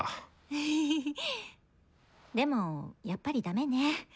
でもやっぱりダメねぇ。